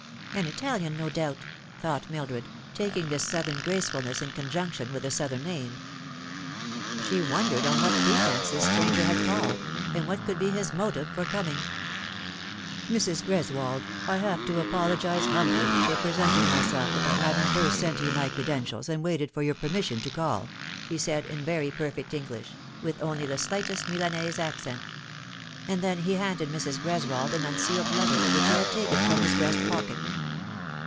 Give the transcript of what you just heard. "An Italian, no doubt," thought Mildred, taking this Southern gracef ulness in conjunction with the Southern name. She wondered on what pretence this stranger had called, and what could be his motive for coming. " Mrs. Greswold, I have to apologise humbly for presenting myself without having first sent you my credentials and waited for your permission to call," he said, in very perfect English, with only the slightest Milanese accent ; and then he handed Mrs. Greswold an unsealed letter, which he had taken from his breast pocket.